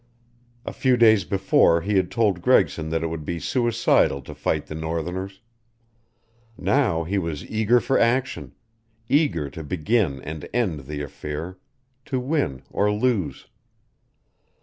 A few days before he had told Gregson that it would be suicidal to fight the northerners; now he was eager for action, eager to begin and end the affair to win or lose.